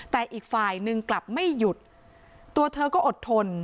แต่อีกฝ่ายหนึ่งกลับไม่หยุดตัวเธอก็อดทน